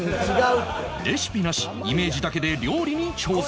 レシピなしイメージだけで料理に挑戦